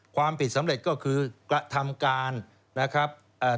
ความผิดสำเร็จก็คือกระทำการนะครับเอ่อ